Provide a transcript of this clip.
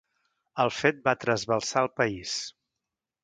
El fet va trasbalsar el país.